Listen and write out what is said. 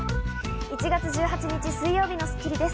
１月１８日、水曜日の『スッキリ』です。